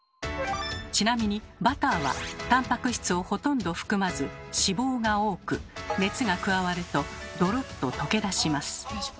ちなみにバターはたんぱく質をほとんど含まず脂肪が多く熱が加わるとドロッと溶け出します。